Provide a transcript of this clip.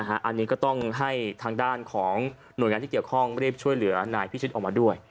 อันนี้ก็ต้องให้ทางด้านของหน่วยงานที่เกี่ยวข้องรีบช่วยเหลือนายพิชิตออกมาด้วย